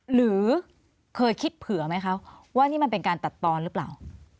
หรือเคยคิดเผื่อไหมคะว่านี่มันเป็นการตัดตอนหรือเปล่า